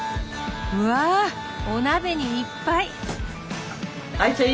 うわお鍋にいっぱい！